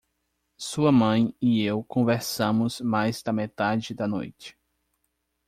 Sua mãe e eu conversamos mais da metade da noite.